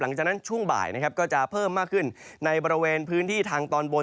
หลังจากนั้นช่วงบ่ายนะครับก็จะเพิ่มมากขึ้นในบริเวณพื้นที่ทางตอนบน